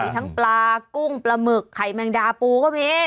ทั้งปลากุ้งปลาหมึกไข่แมงดาปูก็มี